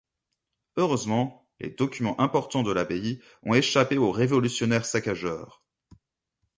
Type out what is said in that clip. Heureusement, les documents importants de l'abbaye ont échappé aux révolutionnaires saccageurs.